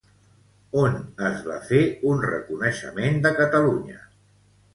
On es va fer un reconeixement de Catalunya?